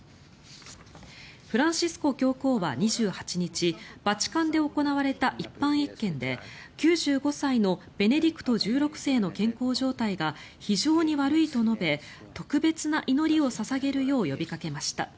フランシスコ教皇は２８日バチカンで行われた一般謁見で９５歳のベネディクト１６世の健康状態が非常に悪いと述べ特別な祈りを捧げるよう呼びかけました。